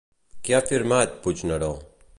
Què ha afirmat, Puigneró?